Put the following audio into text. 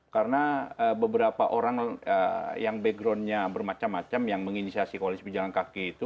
karena beberapa orang yang backgroundnya bermacam macam yang menginisiasi koalisi pejalan kaki itu